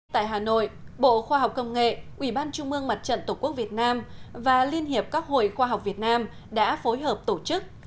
tại hà nội bộ khoa học công nghệ ubnd tổ quốc việt nam và liên hiệp các hội khoa học việt nam đã phối hợp tổ chức